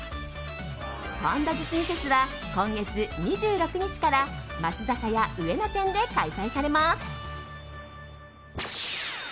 パンダ自身フェスは今月２６日から松坂屋上野店で開催されます。